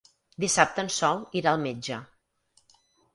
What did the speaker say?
Dissabte en Sol irà al metge.